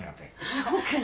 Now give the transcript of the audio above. そうかな。